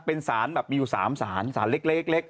เป็นสารแบบมีอยู่๓สารสารเล็ก